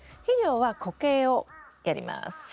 肥料は固形をやります。